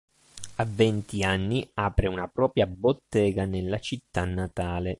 A venti anni apre una propria bottega nella città natale.